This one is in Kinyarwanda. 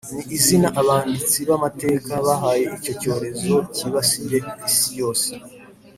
ni izina abanditsi b’amateka bahaye icyo cyorezo cyibasiye isi yose